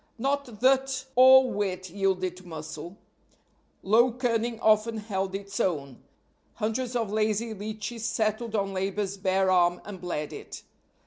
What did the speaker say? Not that all wit yielded to muscle. Low cunning often held its own; hundreds of lazy leeches settled on labor's bare arm and bled it.